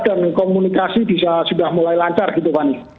dan komunikasi sudah mulai lancar gitu pani